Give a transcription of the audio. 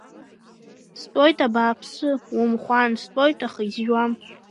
Стәоит абааԥсы, умхәаан, стәоит, аха изжәуам.